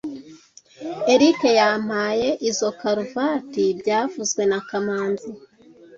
Eric yampaye izoi karuvati byavuzwe na kamanzi